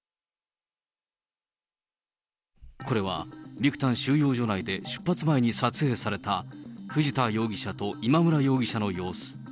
これはビクタン収容所内で出発前に撮影された藤田容疑者と今村容疑者の様子。